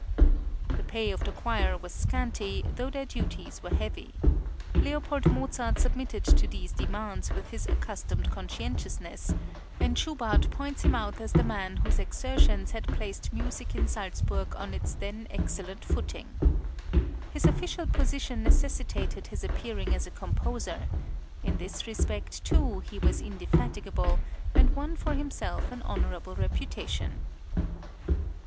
The pay of the choir was scanty, though their duties were heavy. Leopold Mozart submitted to these demands with his accustomed conscientiousness, and Schubart points him out as the man whose exertions had placed music in Salzburg on its then excellent footing. His official position necessitated his appearing as a composer; in this respect, too, he was indefatigable, and won for himself an honourable reputation.